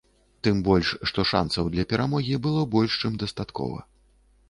Тым больш, што шанцаў для перамогі было больш чым дастаткова.